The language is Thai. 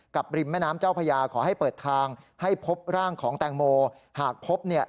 ริมแม่น้ำเจ้าพญาขอให้เปิดทางให้พบร่างของแตงโมหากพบเนี่ย